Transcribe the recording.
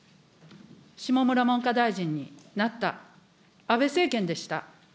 下村文科大臣になった、安倍政権でした。